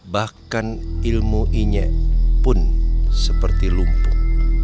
bahkan ilmu inya pun seperti lumpuh